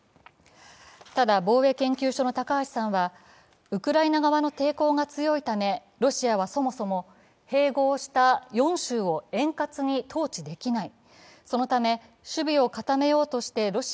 ただ、防衛研究所の高橋さんは、ウクライナ側の抵抗が強いため、ロシアはそもそも併合した４州を円滑に統治できない。